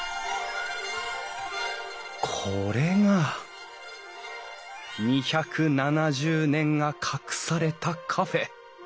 これが２７０年が隠されたカフェ。